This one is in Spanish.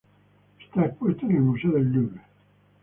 Está expuesto en el Museo del Louvre.